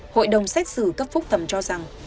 hội đồng xét xử cấp phúc thẩm cho rằng